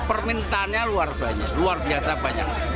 permintaannya luar biasa banyak